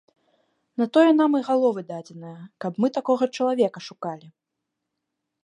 На тое нам і галовы дадзеныя, каб мы такога чалавека шукалі.